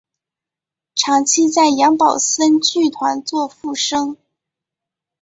长期在杨宝森剧团做副生。